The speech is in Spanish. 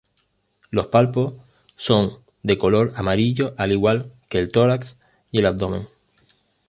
Los palpos son de color amarillo, al igual que el tórax y el abdomen.